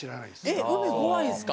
えっ海怖いんですか？